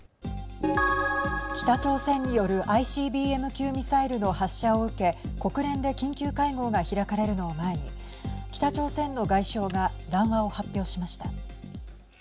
北朝鮮によるＩＣＢＭ級ミサイルの発射を受け国連で緊急会合が開かれるのを前に北朝鮮の外相が談話を発表しました。